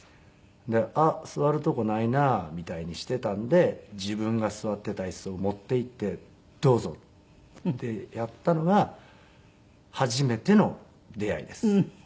「あっ座るとこないな」みたいにしてたんで自分が座ってた椅子を持っていって「どうぞ」ってやったのが初めての出会いです。